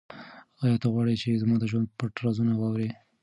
آیا ته غواړې چې زما د ژوند پټ رازونه واورې؟